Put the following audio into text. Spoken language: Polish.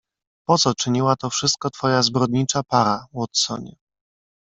"Po co czyniła to wszystko twoja zbrodnicza para, Watsonie?"